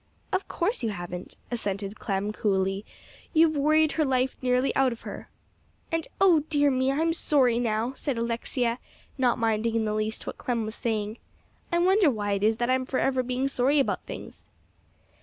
"Of course you haven't," assented Clem coolly. "You've worried her life nearly out of her." "And oh, dear me! I'm sorry now," said Alexia, not minding in the least what Clem was saying. "I wonder why it is that I'm forever being sorry about things."